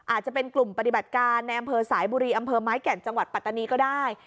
อาจจะเป็นกลุ่มปฏิบัติการในอำเภอสายบุรีอำเภอไม้แก่นจังหวัดปัตตานีก็ได้